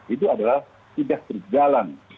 itu adalah tidak berjalan